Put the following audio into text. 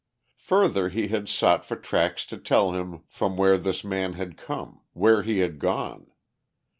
Further, he had sought for tracks to tell him from where this man had come, where he had gone.